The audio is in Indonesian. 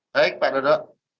baik pak dodo